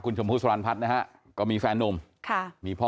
ชมพู่สรรพัฒน์นะฮะก็มีแฟนนุ่มค่ะมีพ่อ